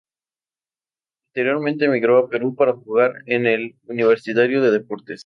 Posteriormente emigró a Perú para jugar en el Universitario de Deportes.